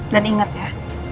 dan ingat ya